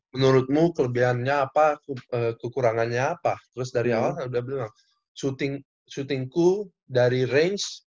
menurutmu kelebihannya apa kekurangannya apa terus dari awal udah bilang syutingku dari range